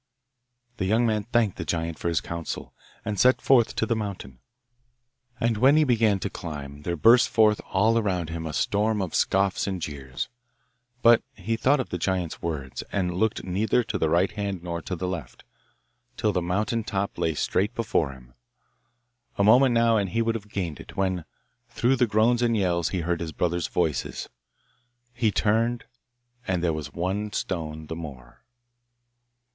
The young man thanked the giant for his counsel, and set forth to the mountain. And when he began to climb there burst forth all around him a storm of scoffs and jeers; but he thought of the giant's words, and looked neither to the right hand nor to the left, till the mountain top lay straight before him. A moment now and he would have gained it, when, through the groans and yells, he heard his brothers' voices. He turned, and there was one stone the more.